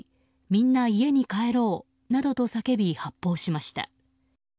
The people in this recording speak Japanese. みんな家に帰ろう！などと叫び発砲しました。